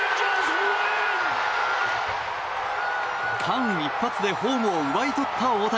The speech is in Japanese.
間一髪でホームを奪い取った大谷。